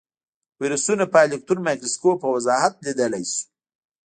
ویروسونه په الکترون مایکروسکوپ په وضاحت لیدلی شو.